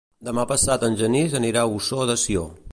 Demà passat en Genís anirà a Ossó de Sió.